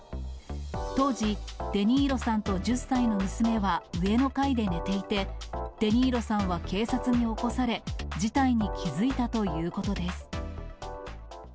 当時、デ・ニーロさんと１０歳の娘は上の階で寝ていて、デ・ニーロさんは警察に起こされ、事態に気付いたということです。